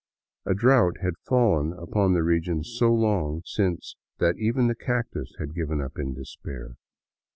A drought had fallen upon the region so long since that even the cactus had given up in despair.